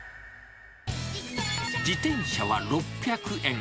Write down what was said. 自転車は６００円。